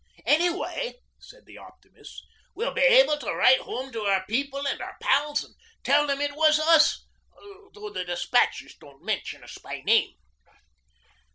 'Anyway,' said the optimists, 'we'll be able to write home to our people and our pals, and tell them it was us, though the despatches don't mention us by name.'